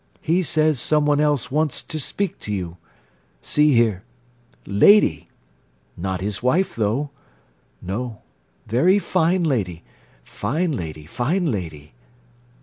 He says someone else wants to speak to you. See here. Lady. Not his wife, though. No. Very fine lady! Fine lady, fine lady!"